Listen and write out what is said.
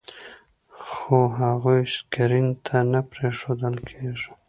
خو هغوی سکرین ته نه پرېښودل کېږي.